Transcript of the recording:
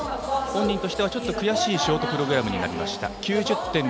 本人としてはちょっと悔しいショートプログラムになりました。